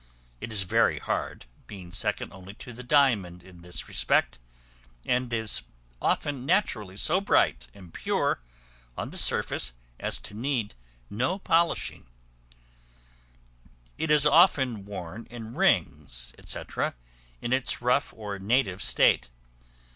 It is very hard, being second only to the diamond in this respect; and is often naturally so bright and pure on the surface as to need no polishing; it is often worn in rings, &c., in its rough or native state.